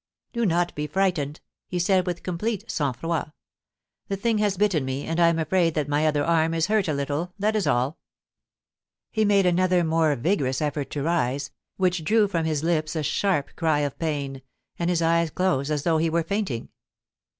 * Do not be frightened,' he said with complete sangfroid, * The thing has bitten me, and I am afraid that my other arm is hurt a little — that is all' He made another more vigorous effort to rise, which drew from his lips a sharp cry of pain, and his eyes closed as though he were fainting.